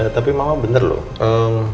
tapi mama bener lho